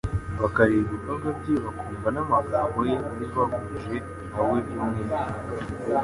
bakareba ibikorwa bye bakumva n'amagambo ye, bari bahuje na we by'umwihariko.